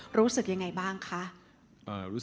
เพราะฉะนั้นเราทำกันเนี่ย